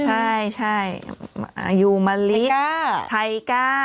อายุมลิไทกล้า